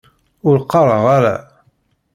Ur qqareɣ ara.